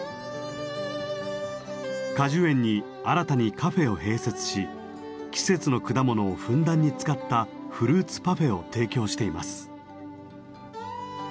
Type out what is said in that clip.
果樹園に新たにカフェを併設し季節の果物をふんだんに使ったフルーツパフェを提供しています。